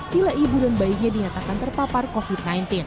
bila ibu dan bayinya dinyatakan terpapar covid sembilan belas